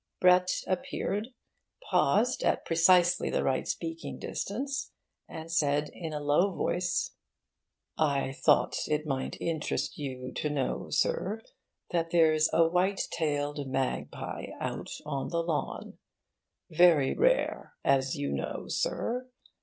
Brett appeared, paused at precisely the right speaking distance, and said in a low voice, 'I thought it might interest you to know, sir, that there's a white tailed magpie out on the lawn. Very rare, as you know, sir.